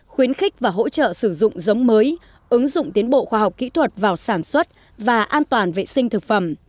khuyến khích và hỗ trợ sử dụng giống mới ứng dụng tiến bộ khoa học kỹ thuật vào sản xuất và an toàn vệ sinh thực phẩm